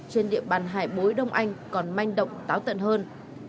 trên địa bàn hải bối đông anh còn manh động táo tận hơn